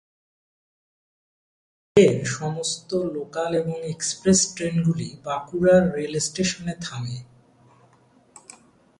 এই রুটের সমস্ত লোকাল এবং এক্সপ্রেস ট্রেনগুলি বাঁকুড়া রেলস্টেশনে থামে।